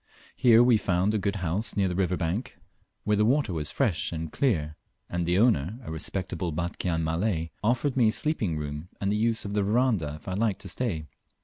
Here we found a good house near the river bank, where the water was fresh and clear, and the owner, a respectable Batchian Malay, offered me sleeping room and the use of the verandah if I liked to stay.